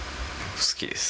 好きです。